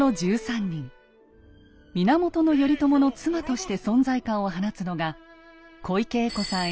源頼朝の妻として存在感を放つのが小池栄子さん